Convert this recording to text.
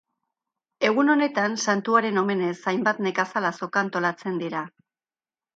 Egun honetan santuaren omenez, hainbat nekazal azoka antolatzen dira.